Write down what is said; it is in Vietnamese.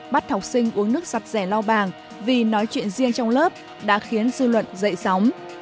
bắt học sinh uống nước sạch rẻ lau bảng vì nói chuyện riêng trong lớp đã khiến dư luận dậy sóng